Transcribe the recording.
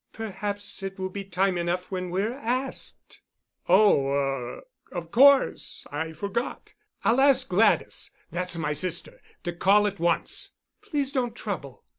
"Perhaps it will be time enough when we're asked——" "Oh—er—of course. I forgot. I'll ask Gladys—that's my sister—to call at once." "Please don't trouble."